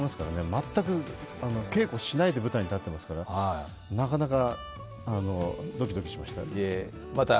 全く稽古しないで舞台に立っていますから、なかなかドキドキしました。